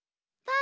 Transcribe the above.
あ。